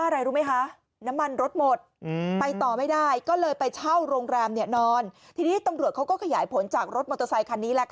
ทีนี้ตำรวจเขาก็ขยายผลจากรถมอเตอร์ไซคันนี้